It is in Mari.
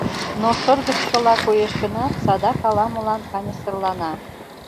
Но шыргыжшыла коеш гынат, садак ала-молан каньысырлана.